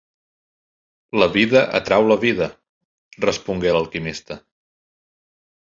"La vida atrau la vida", respongué l'alquimista.